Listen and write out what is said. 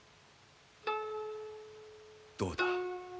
・どうだ？